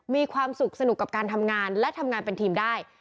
มีความสุขสนุกกับการทำงานและทำงานเป็นทีมได้